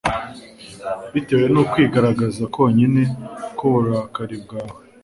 bitewe n'ukwigaragaza konyine k'uburakari bwawe